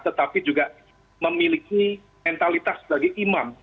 tetapi juga memiliki mentalitas sebagai imam